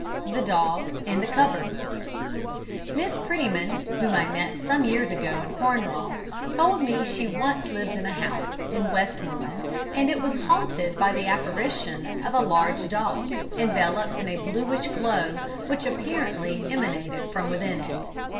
The Dog in the Cupboard Miss Prettyman, whom I met some years ago in Cornwall, told me she once lived in a house in Westmorland that was haunted by the apparition of a large dog, enveloped in a blueish glow, which apparently emanated from within it.